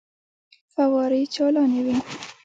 فوارې چالانې وې.